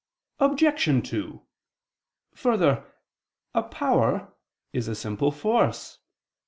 Obj. 2: Further, a power is a simple force.